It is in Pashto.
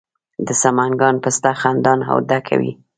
د سمنګان پسته خندان او ډکه وي.